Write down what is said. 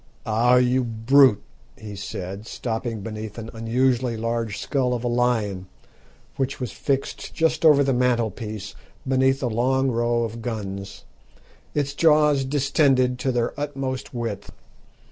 "Ah, you brute!" he said, stopping beneath an unusually large skull of a lion, which was fixed just over the mantelpiece, beneath a long row of guns, its jaws distended to their utmost width.